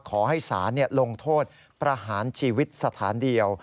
ขอให้ศาลลงโทษประหารชีวิตสถานเดียว